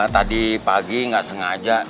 tadi pagi gak sengaja